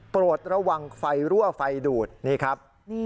โปรดระวังไฟรั่วไฟดูดนี่ครับ